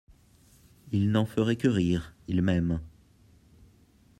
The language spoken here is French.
Il n’en ferait que rire ; il m’aime.